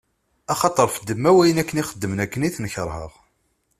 Axaṭer ɣef ddemma n wayen akken i xedmen i ten-keṛheɣ.